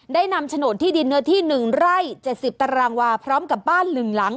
ได้นำโฉนดที่ดินเนื้อที่หนึ่งไร่เจ็ดสิบตารางวาพร้อมกับบ้านหนึ่งหลัง